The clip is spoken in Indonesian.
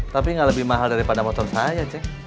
tapi nggak lebih mahal daripada motor saya cek